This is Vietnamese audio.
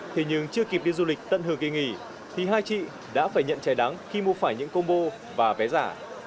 thế nhưng chưa kịp đi du lịch tận hưởng kỳ nghỉ thì hai chị đã phải nhận trái đắng khi mua phải những combo và vé giả